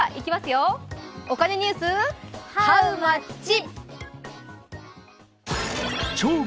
お金ニュース、ハウマッチ。